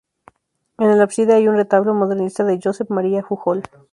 En el ábside hay un retablo modernista de Josep Maria Jujol.